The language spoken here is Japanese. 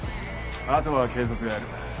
後は警察がやる。